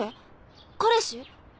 彼氏？